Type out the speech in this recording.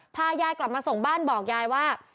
พายายกลับมาส่งบ้านบอกยายว่า